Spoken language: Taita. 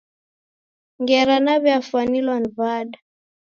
Ngera naw'iafwanilwa wada?